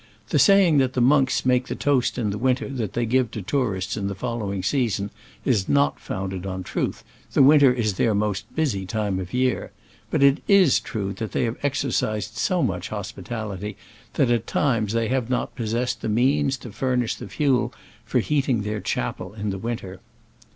The saying that the monks make the toast in the winter that they give to tourists in the following season is not founded on truth : the winter is their most busy time of the year. But it is true they have exercised so much hos pitality that at times they have not pos sessed the means to furnish the fuel for heating their chapel in the winter.